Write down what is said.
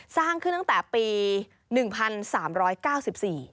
สร้างขึ้นตั้งแต่ปี๑๓๙๔